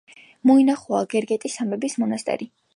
მოინახულა გერგეტის სამების მონასტერი.